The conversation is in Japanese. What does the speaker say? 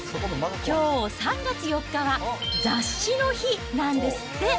きょう３月４日は、雑誌の日なんですって。